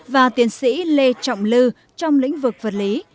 và tiến sĩ lê trọng lư trong lĩnh vực vật lý